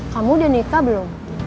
kamu udah nikah belum